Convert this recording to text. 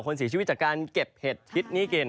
คนเสียชีวิตจากการเก็บเห็ดทิศนี้เกม